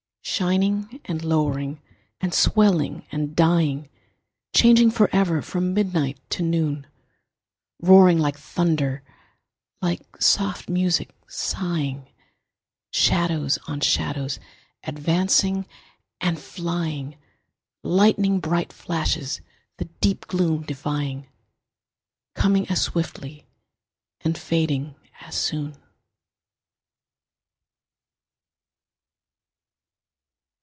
Shining and lowering and swelling and dying, Changing forever from midnight to noon; Roaring like thunder, like soft music sighing, Shadows on shadows advancing and flying, Lighning bright flashes the deep gloom defying, Coming as swiftly and fading as soon.